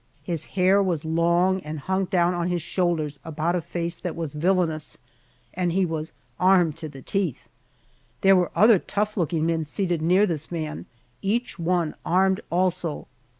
His hair was long and hung down on his shoulders about a face that was villainous, and he was "armed to the teeth." There were other tough looking men seated near this man, each one armed also.